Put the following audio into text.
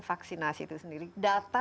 vaksinasi itu sendiri data